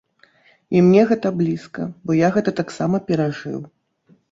І мне гэта блізка, бо я гэта таксама перажыў.